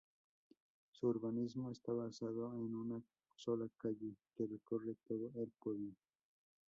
Su urbanismo está basado en una sola calle que recorre todo el pueblo.